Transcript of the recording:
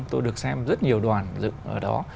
tôi được xem rất nhiều đoàn dựng ở đó